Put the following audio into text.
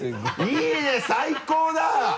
いいね最高だ！